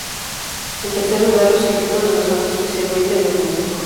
En tercer lugar, los escritos de los santos especialmente de los místicos.